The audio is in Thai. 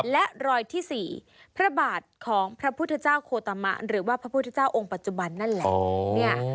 และรอยที่๔พระบาทของพระพุทธเจ้าโคตามะหรือว่าพระพุทธเจ้าองค์ปัจจุบันนั่นแหละ